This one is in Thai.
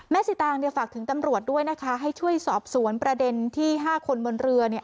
สิตางเนี่ยฝากถึงตำรวจด้วยนะคะให้ช่วยสอบสวนประเด็นที่๕คนบนเรือเนี่ย